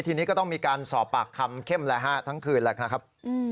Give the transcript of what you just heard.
ทีนี้ก็ต้องมีการสอบปากคำเข้มแล้วฮะทั้งคืนแล้วนะครับ